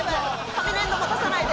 紙粘土持たさないで。